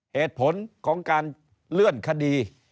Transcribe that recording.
เหตุผลของการเลื่อนคดี